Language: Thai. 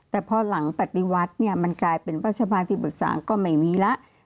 แต่พอหลังปฏิวัตรเนี่ยมันกลายเป็นวัฒนภาษาประชาธิปรึกษาก็ไม่มีละ